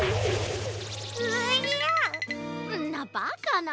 んなバカな。